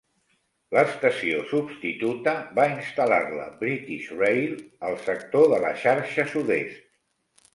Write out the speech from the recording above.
L'estació substituta va instal·lar-la British Rail al sector de la xarxa sud-est.